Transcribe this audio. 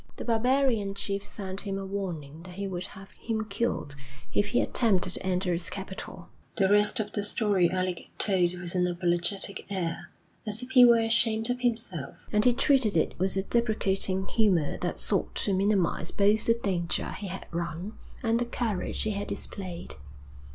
The barbarian chief sent him a warning that he would have him killed if he attempted to enter his capital. The rest of the story Alec told with an apologetic air, as if he were ashamed of himself, and he treated it with a deprecating humour that sought to minimise both the danger he had run and the courage he had displayed.